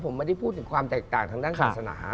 ผมไม่ได้พูดถึงความแตกต่างทางด้านศาสนา